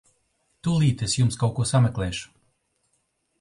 Tūlīt es jums kaut ko sameklēšu.